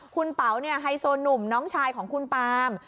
คุณเป๋าไฮโซหนุ่มน้องชายของคุณปาม